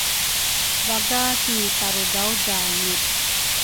Vaga ki tarudraudrange